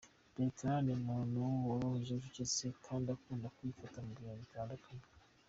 Bertrand ni umuntu woroheje, ucecetse kandi ukunda kwifata mu bintu bitandukanye.